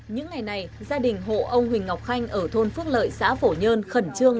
những ngày này gia đình hộ ông huỳnh ngọc khanh ở thôn phước lợi xã phổ nhơn khẩn trương